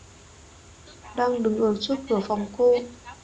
Đang đứng ở trước cửa phòng cô